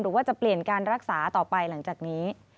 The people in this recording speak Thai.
หรือว่าจะเปลี่ยนการรักษาต่อไปหลังจากนี้